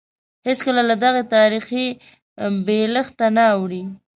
هېڅکله له دغه تاریخي بېلښته نه اوړي.